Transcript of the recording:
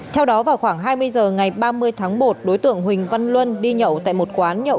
theo đó vào khoảng hai mươi h ngày ba mươi tháng một đối tượng huỳnh văn luân đi nhậu tại một quán nhậu